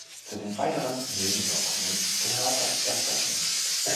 Zu den weiteren Nebenwirkungen gehört das Erbrechen.